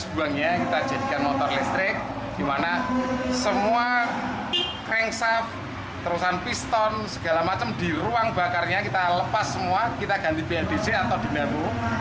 terus buangnya kita jadikan motor listrik dimana semua rings af terusan piston segala macam di ruang bakarnya kita lepas semua kita ganti bldc atau dinamo